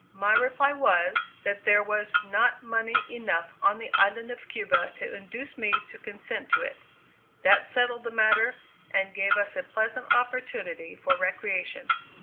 My reply was, that there was not money enough on the island of Cuba to induce me to consent to it. That settled the matter, and gave us a pleasant opportunity for recreation.